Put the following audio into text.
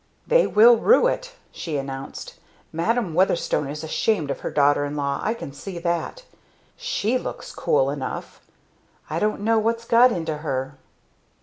"They will rue it!" she announced. "Madam Weatherstone is ashamed of her daughter in law I can see that! She looks cool enough. I don't know what's got into her!"